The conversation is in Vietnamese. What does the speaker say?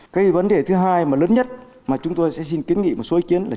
cái vấn đề thứ hai mà lớn nhất mà chúng tôi sẽ xin kiến nghị một số ý kiến là